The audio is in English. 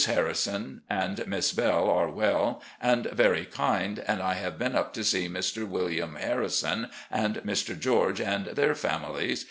Harrison and Miss Belle are well and very kmd, and I have been up to see Mr. William Harrison and Mr. George and their families.